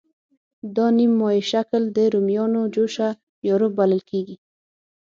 دا نیم مایع شکل د رومیانو جوشه یا روب بلل کېږي.